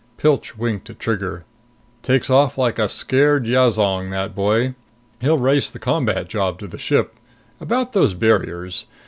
Pilch winked at Trigger. "Takes off like a scared yazong, that boy! He'll race the combat job to the ship. About those barriers.